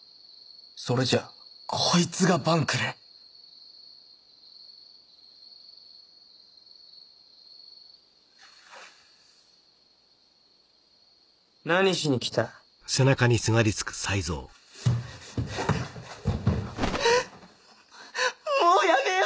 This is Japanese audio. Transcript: それじゃあこいつが晩来何しに来たもうやめよう！